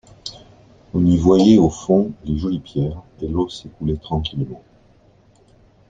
On y voyait, au fond, les jolies pierres et l’eau s’écoulait tranquillement.